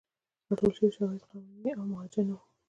راټول شوي شواهد قانوني او موجه نه وو.